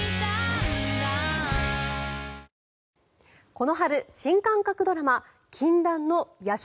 この春、新感覚ドラマ禁断の夜食